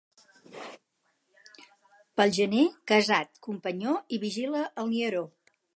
Pel gener, casat, companyó i vigila el nieró.